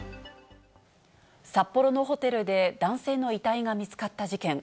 札幌のホテルで男性の遺体が見つかった事件。